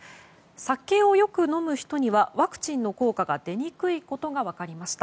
酒をよく飲む人にはワクチンの効果が出にくいことが分かりました。